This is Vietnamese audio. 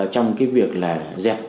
trong cái việc là dẹp